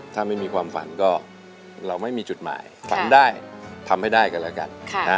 ถ้าไม่มีความฝันก็เราไม่มีจุดหมายฝันได้ทำให้ได้กันแล้วกัน